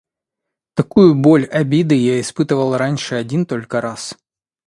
Такую боль обиды я испытал раньше один только раз.